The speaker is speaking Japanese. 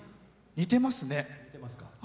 似てますか。